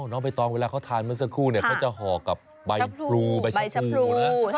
นอกไปตอนเวลาเขาทานเมื่อสักครู่เขาจะหอกกับใบชะพรูนะ